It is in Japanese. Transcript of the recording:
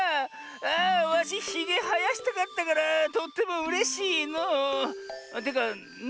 あわしひげはやしたかったからとってもうれしいのう。というかな